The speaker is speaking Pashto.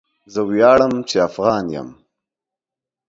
زه وياړم چي افغان یم